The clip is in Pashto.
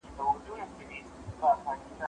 زه پرون سپينکۍ مينځلې،